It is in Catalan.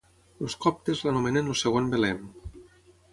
Els coptes l'anomenen el segon Belem.